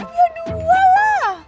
ya dua lah